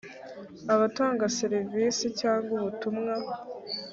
abatanga serivisi cyangwa ubutumwa